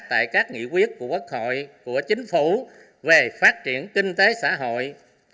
tại các nghị quyết của quốc hội của chính phủ về phát triển kinh tế xã hội